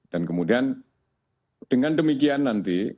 dan kemudian dengan demikian nanti